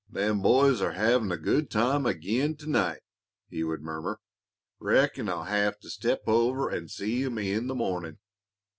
"Them boys are havin' a good time ag'in to night," he would murmur. "Reckon I'll hev' to step over an' see 'em in the mornin'."